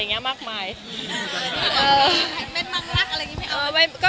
เห็นแม่นมังรักอะไรแบบนี้ไม่ออก